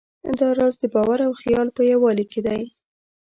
دا راز د باور او خیال په یووالي کې دی.